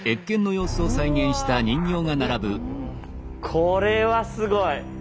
これはすごい！